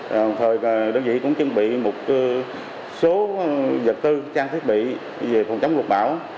đồng thời đơn vị cũng chuẩn bị một số vật tư trang thiết bị về phòng chống lục bão